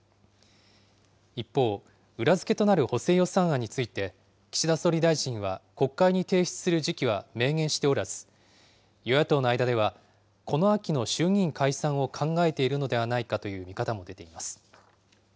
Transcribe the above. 一方、裏付けとなる補正予算案について、岸田総理大臣は国会に提出する時期は明言しておらず、与野党の間では、この秋の衆議院解散を考えているのではないかという見方も出ています。